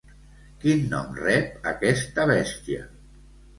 Quin nom rep aquesta bèstia?